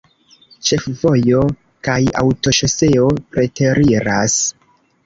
Ĉefvojo kaj aŭtoŝoseo preteriras.